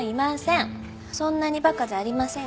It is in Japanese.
そんなにバカじゃありませんから。